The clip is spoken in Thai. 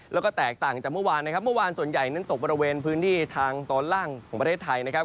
แล้วก็แตกต่างจากเมื่อวานนะครับเมื่อวานส่วนใหญ่นั้นตกบริเวณพื้นที่ทางตอนล่างของประเทศไทยนะครับ